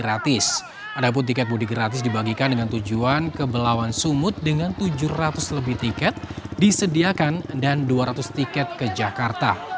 ada pun tiket mudik gratis dibagikan dengan tujuan ke belawan sumut dengan tujuh ratus lebih tiket disediakan dan dua ratus tiket ke jakarta